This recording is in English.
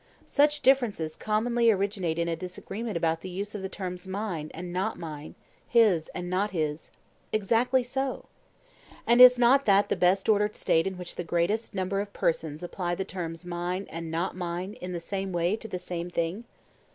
Such differences commonly originate in a disagreement about the use of the terms 'mine' and 'not mine,' 'his' and 'not his.' Exactly so. And is not that the best ordered State in which the greatest number of persons apply the terms 'mine' and 'not mine' in the same way to the same thing?